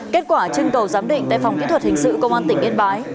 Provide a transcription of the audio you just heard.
kết quả trưng cầu giám định tại phòng kỹ thuật hình sự công an tỉnh yên bái